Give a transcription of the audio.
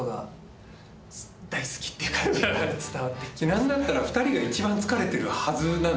何だったら２人が一番疲れてるはずなんですよ